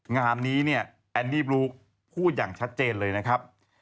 งานนี้เนี่ยแอนนี่บลูคพูดอย่างชัดเจนเลยนะครับ